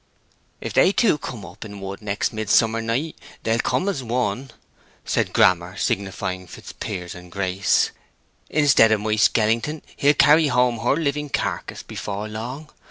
"If they two come up in Wood next Midsummer Night they'll come as one," said Grammer, signifying Fitzpiers and Grace. "Instead of my skellington he'll carry home her living carcass before long.